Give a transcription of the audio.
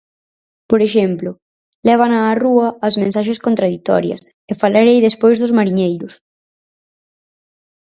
Por exemplo, lévana á rúa as mensaxes contraditorias, e falarei despois dos mariñeiros.